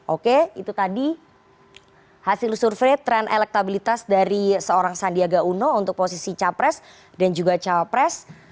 oke itu tadi hasil survei tren elektabilitas dari seorang sandiaga uno untuk posisi capres dan juga cawapres